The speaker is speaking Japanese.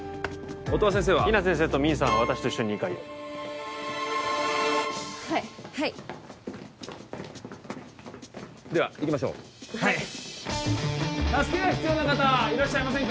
音羽先生は比奈先生とミンさんは私と一緒に２階へはいはいでは行きましょうはい助けが必要な方いらっしゃいませんか？